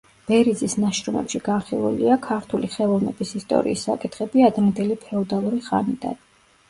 ბერიძის ნაშრომებში განხილულია ქართული ხელოვნების ისტორიის საკითხები ადრინდელი ფეოდალური ხანიდან.